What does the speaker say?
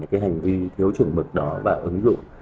cái hành vi thiếu chủng bực đó và ứng dụng